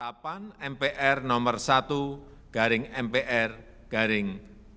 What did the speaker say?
ketetapan mpr no satu garing mpr garing dua ribu tiga